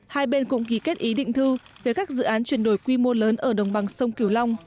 hai bên cũng ký kết ý định thư về các dự án chuyển đổi quy mô lớn ở đồng bằng sông kiều long